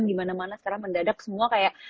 dimana mana sekarang mendadak semua kayak